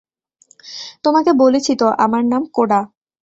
তোমাকে বলেছি তো, আমার নাম কোডা।